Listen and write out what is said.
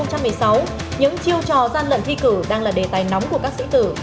những chiêu trò gian lận thi cử đang là đề tài nóng của các sĩ tử